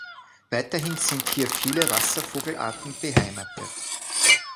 Weiterhin sind hier viele Wasservogelarten beheimatet.